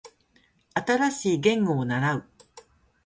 新しい言語を習う